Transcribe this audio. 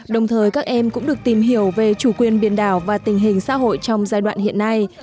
đồng thời các em cũng được tìm hiểu về chủ quyền biển đảo và tình hình xã hội trong giai đoạn hiện nay